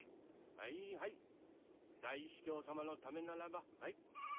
はいはい大司教さまのためならばはい。